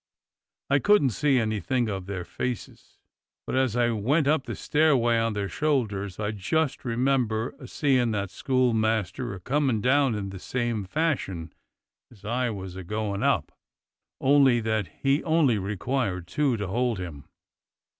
I couldn't see anything of their faces, but as I went up the stairway on their shoulders I just remember a seein' that schoolmaster a comin' down in the same fashion as I w^as a goin' up, only that he only required two to hold him.